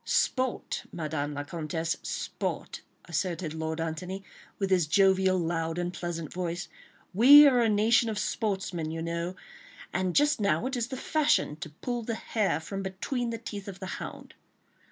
"Sport, Madame la Comtesse, sport," asserted Lord Antony, with his jovial, loud and pleasant voice; "we are a nation of sportsmen, you know, and just now it is the fashion to pull the hare from between the teeth of the hound."